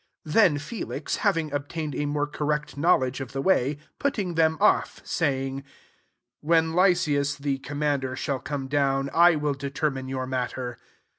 " 22 Then Felix, having obtain ed a more correct knowledge of the way, putting them off, said, *' When Lysias the com mander shall come down, I will det^mine your matter."